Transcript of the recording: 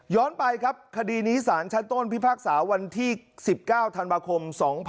ไปครับคดีนี้สารชั้นต้นพิพากษาวันที่๑๙ธันวาคม๒๕๖๒